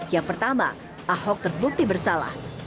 yang pertama ahok terbukti bersalah